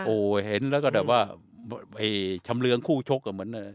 โอ้เห็นแล้วก็แบบว่าเฮ้ชำเรืองคู่ชกอ่ะเหมือนเอ่อ